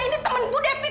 dia ini temen budi titik